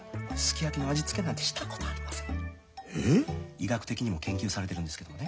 医学的にも研究されてるんですけどもね